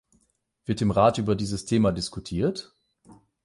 Wird im Rat über dieses Thema diskutiert?